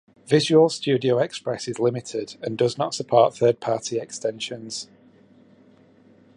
Visual Studio Express is limited and does not support third-party extensions.